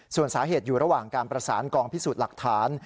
ส่วนสาเหตุอยู่ระหว่างการประสานกองพิสูจน์หลักฐาน